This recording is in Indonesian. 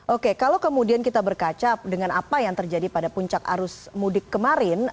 oke kalau kemudian kita berkaca dengan apa yang terjadi pada puncak arus mudik kemarin